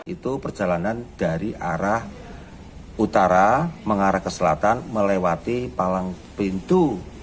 itu perjalanan dari arah utara mengarah ke selatan melewati palang pintu